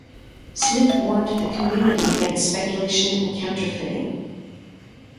Smith warned the community against speculation and counterfeiting.